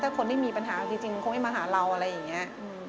ถ้าคนที่มีปัญหาจริงคงไม่มาหาเราอะไรอย่างนี้